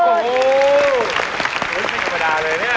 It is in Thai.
ไม่ใช่ธรรมดาเลยเนี่ย